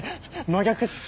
真逆っす。